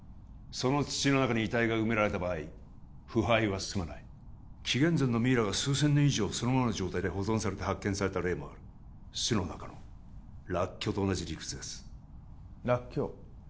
その土の中に遺体が埋められた場合腐敗は進まない紀元前のミイラが数千年以上そのままの状態で保存されて発見された例もある酢の中のらっきょうと同じ理屈ですらっきょう？